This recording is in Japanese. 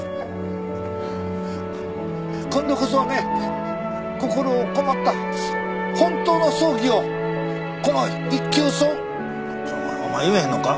今度こそね心のこもった本当の葬儀をこの一級葬お前言えへんのか？